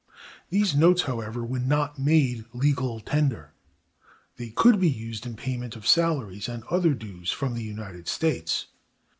These notes, however, were not made legal tender. They could be used in payment of salaries and other dues from the United States.